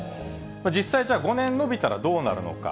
実際、じゃあ５年延びたらどうなるのか。